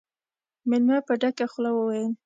مېلمه په ډکه خوله وويل: